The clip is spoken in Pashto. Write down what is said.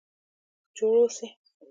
جوړ اوسئ؟